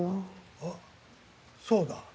あっそうだ。